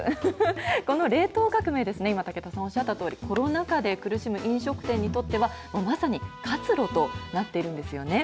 この冷凍革命、今、武田さんおっしゃったとおり、コロナ禍で苦しむ飲食店にとっては、まさに活路となっているんですよね。